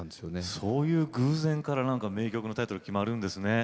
そういう偶然から名曲のタイトルが決まるんですね。